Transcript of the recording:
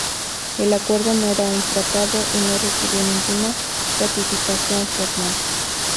El acuerdo no era un tratado y no requirió ninguna ratificación formal.